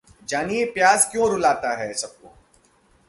जानिए प्याज क्यों रुलाता है सबको?